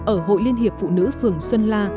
ở hội liên hiệp phụ nữ phường xuân la